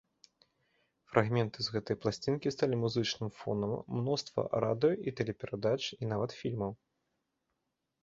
Фрагменты з гэтай пласцінкі сталі музычным фонам мноства радыё- і тэлеперадач і нават фільмаў.